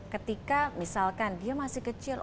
ketika misalkan dia masih kecil